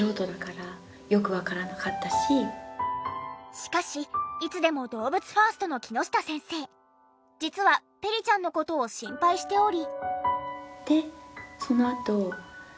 しかしいつでも動物ファーストの木下先生実はペリちゃんの事を心配しており。